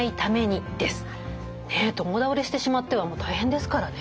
共倒れしてしまっては大変ですからね。